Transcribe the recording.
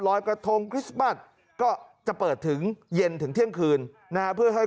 รอยกระทงคริสต์มัสก็จะเปิดถึงเย็นถึงเที่ยงคืนนะฮะเพื่อให้